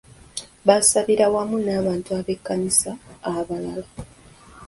Baasabira wamu n'abantu b'ekkanisa abalala.